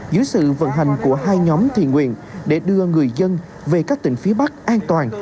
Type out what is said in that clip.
dưới sự vận hành của hai nhóm thiền nguyện để đưa người dân về các tỉnh phía bắc an toàn